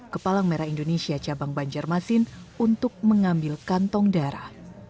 ke palang merah indonesia cabang banjarmasin untuk mengambil kantong darah